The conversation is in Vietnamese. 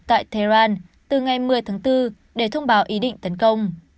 tại tehran từ ngày một mươi tháng bốn để thông báo ý định tấn công